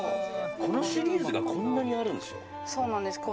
このシリーズがこんなにあるんですよ。